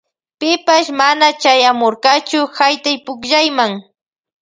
Pipash mana chayamurkachu haytaypukllayma.